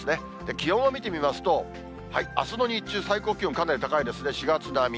気温を見てみますと、あすの日中、最高気温、かなり高いですね、４月並み。